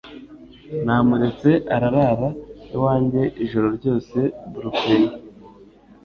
Namuretse arara iwanjye ijoro ryose bluepie